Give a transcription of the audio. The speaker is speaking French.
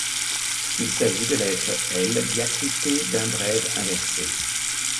Il s'agit de la lettre I diacritée d'un brève inversée.